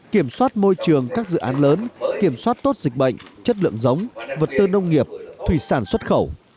kiểm soát môi trường các dự án lớn kiểm soát tốt dịch bệnh chất lượng giống vật tư nông nghiệp thủy sản xuất khẩu